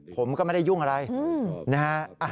ผมก็ไม่ได้ยุ่งอะไรนะฮะ